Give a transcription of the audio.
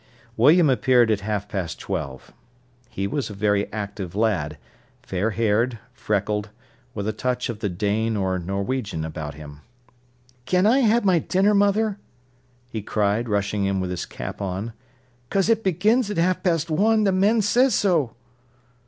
William appeared at half past twelve. He was a very active lad, fair haired, freckled, with a touch of the Dane or Norwegian about him. "Can I have my dinner, mother?" he cried, rushing in with his cap on. "'Cause it begins at half past one, the man says so."